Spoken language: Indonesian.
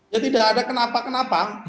ya tidak ada kenapa kenapa